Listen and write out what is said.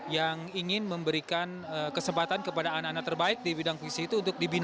yang ingin memberikan kesempatan kepada anak anak terbaik di bidang visi itu untuk dibina